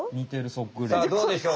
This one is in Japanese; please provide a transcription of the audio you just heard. さあどうでしょう？